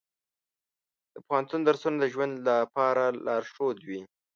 د پوهنتون درسونه د ژوند لپاره لارښود وي.